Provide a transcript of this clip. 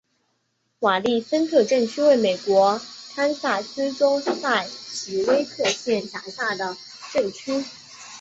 瓦利森特镇区为美国堪萨斯州塞奇威克县辖下的镇区。